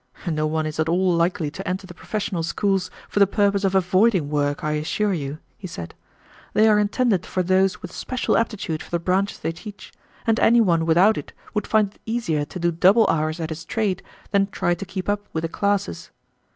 "No one is at all likely to enter the professional schools for the purpose of avoiding work, I assure you," he said. "They are intended for those with special aptitude for the branches they teach, and any one without it would find it easier to do double hours at his trade than try to keep up with the classes.